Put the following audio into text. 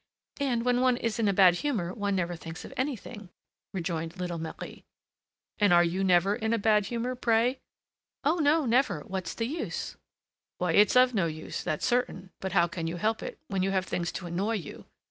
"And when one is in a bad humor, one never thinks of anything," rejoined little Marie. "And are you never in a bad humor, pray?" "Oh! no, never! What's the use?" "Why, it's of no use, that's certain; but how can you help it, when you have things to annoy you?